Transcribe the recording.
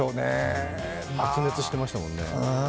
白熱してましたもんね。